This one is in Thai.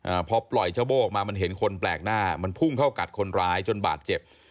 อ่าพอปล่อยเจ้าโบ้ออกมามันเห็นคนแปลกหน้ามันพุ่งเข้ากัดคนร้ายจนบาดเจ็บ